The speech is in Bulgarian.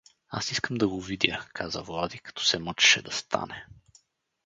Аз искам да го видя — каза Влади, като се мъчеше да стане.